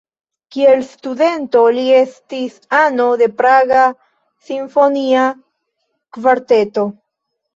Kiel studento li estis ano de Praga simfonia kvarteto.